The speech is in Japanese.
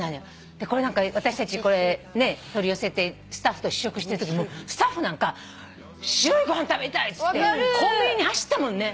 で私たちこれ取り寄せてスタッフと試食してるときもスタッフなんか「白いご飯食べたい」っつってコンビニに走ったもんね。